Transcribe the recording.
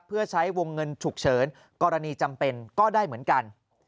เพื่อใช้วงเงินฉุกเฉินกรณีจำเป็นก็ได้เหมือนกัน